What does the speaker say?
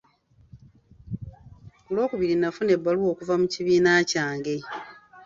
Ku lw'okubiri nafuna ebbaluwa okuva mu kibiina kyange.